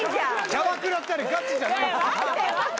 キャバクラってあれガチじゃない。